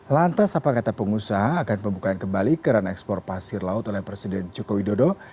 lantas apa kata pengusaha akan pembukaan kembali keran ekspor pasir laut oleh presiden joko widodo